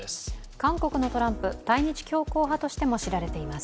韓国のトランプ、対日強硬派としても知られています。